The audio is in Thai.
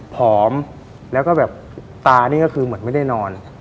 ผอมแล้วก็แบบตานี่ก็คือเหมือนไม่ได้นอน